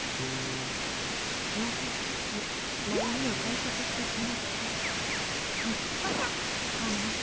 また１つ悩みを解決してしまった。